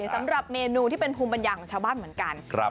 สำหรับเมนูที่เป็นภูมิปัญญาของชาวบ้านเหมือนกัน